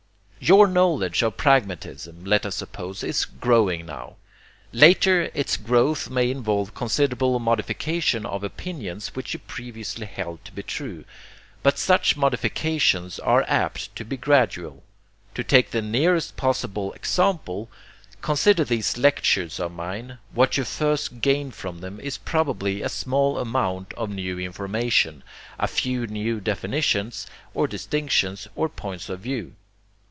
Your knowledge of pragmatism, let us suppose, is growing now. Later, its growth may involve considerable modification of opinions which you previously held to be true. But such modifications are apt to be gradual. To take the nearest possible example, consider these lectures of mine. What you first gain from them is probably a small amount of new information, a few new definitions, or distinctions, or points of view.